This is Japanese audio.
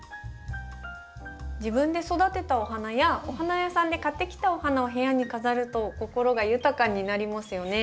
自分で育てたお花やお花屋さんで買ってきたお花を部屋に飾ると心が豊かになりますよね。